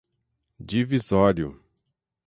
divisório